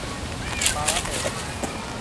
ภาระเต็ม